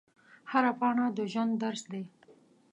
هره پاڼه د ژوند درس دی